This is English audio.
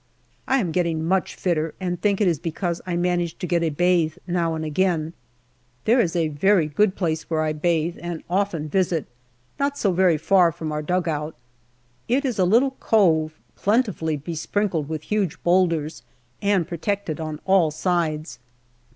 I am getting much fitter, and think it is because I manage to get a bathe now and again. There is a good place where I bathe and often visit, not so very far from our dugout. It is a little cove, plenti fully besprinkled with huge boulders and protected on all sides.